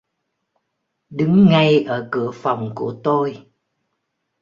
Đứng ngay ở cửa phòng của tôi